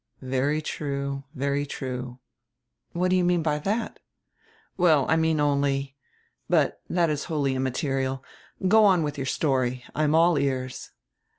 "Very true, very true." "What do you mean by that?" "Well, I mean only — But that is wholly immaterial. Go on with your story; I am all ears."